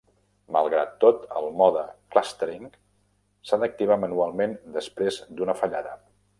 Malgrat tot, el mode clustering s'ha d'activar manualment després d'una fallada.